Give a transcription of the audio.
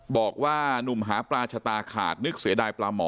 บอกว่านุ่มหาปลาชะตาขาดนึกเสียดายปลาหมอ